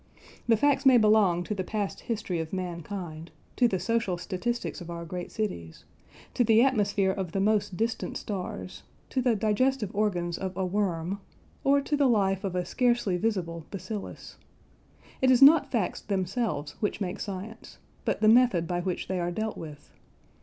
The facts may belong to the past history of mankind, to the social statistics of our great cities, to the atmosphere of the most distant stars, to the digestive organs of a worm, or to the life of a scarcely visible bacillus. It is not facts themselves which make science, but the method by which they are dealt with.